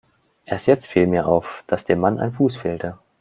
Erst jetzt viel mir auf, dass dem Mann ein Fuß fehlte.